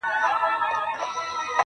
كه زړه يې يوسې و خپل كور ته گراني .